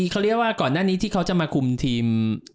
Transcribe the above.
เขาเรียกว่าก่อนหน้านี้ที่เขาจะมาคุมทีม